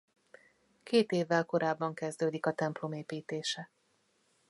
Két évvel korábban kezdődik a templom építése.